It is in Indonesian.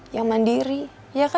yang mandiri iya kan